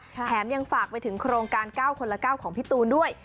แถมยังฝากไปถึงโครงการ๙คนละ๙ของพี่ตูนด้วย